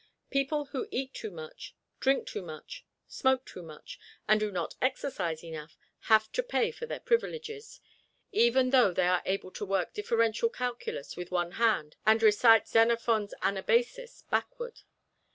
People who eat too much, drink too much, smoke too much, and do not exercise enough, have to pay for their privileges, even though they are able to work differential calculus with one hand and recite Xenophon's "Anabasis" backward.